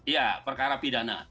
ya perkara pidana